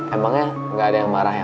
emangnya nggak ada yang marah ya